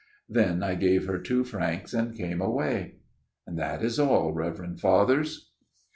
Then I gave her two francs and came away. " That is all, Reverend Fathers."